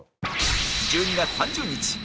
１２月３０日